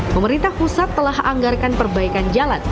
pemerintah pusat telah anggarkan perbaikan jalan